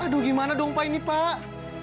aduh gimana dong pak ini pak